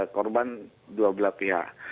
korban dua belah pihak